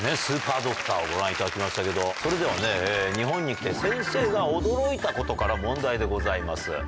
スーパードクターをご覧いただきましたけどそれでは日本に来て先生が驚いたことから問題でございます。